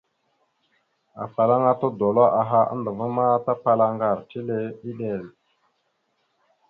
Afalaŋana tudola aha andəva, tapala aŋgar, tile eɗek.